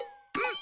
ん？